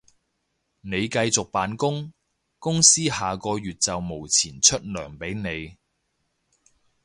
你繼續扮工，公司下個月就無錢出糧畀你